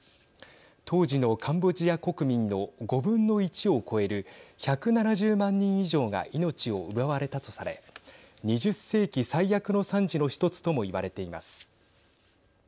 当時のカンボジア国民の５分の１を超える１７０万人以上が命を奪われたとされ２０世紀最悪の惨事の１つともいわれています。